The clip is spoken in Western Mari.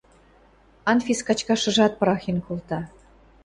Анфис качкашыжат пырахен колта.